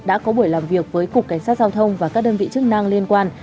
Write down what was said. đã có buổi làm việc với cục cảnh sát giao thông và các đơn vị chức năng liên quan